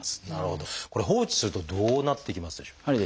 これ放置するとどうなっていきますでしょう？